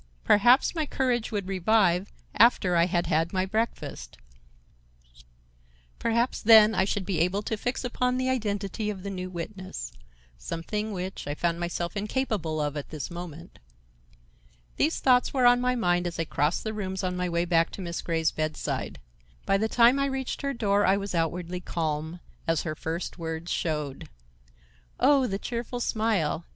Perhaps my courage would revive after I had had my breakfast; perhaps then I should be able to fix upon the identity of the new witness,—something which I found myself incapable of at this moment. These thoughts were on my mind as I crossed the rooms on my way back to Miss Grey's bedside. By the time I reached her door I was outwardly calm, as her first words showed: "Oh, the cheerful smile!